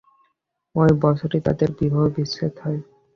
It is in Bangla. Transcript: ওই বছরই তাঁদের বিবাহবিচ্ছেদ হয়।